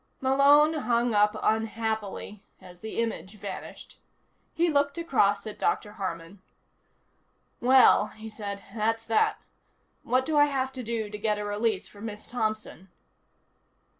Malone hung up unhappily as the image vanished. He looked across at Dr. Harman. "Well," he said, "that's that. What do I have to do to get a release for Miss Thompson?"